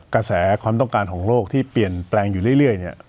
กระแสความต้องการของโลกที่เปลี่ยนแปลงอยู่เรื่อยเนี่ย